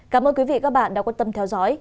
cảm ơn quý vị đã quan tâm theo dõi